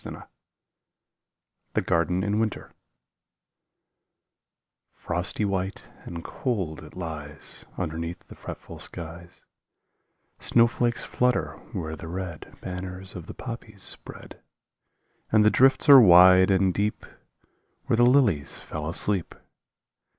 145 10 THE GARDEN IN WINTER Frosty white and cold it lies Underneath the fretful skies; Snowflakes flutter where the red Banners of the poppies spread, And the drifts are wide and deep Where the lilies fell asleep.